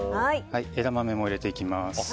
枝豆も入れていきます。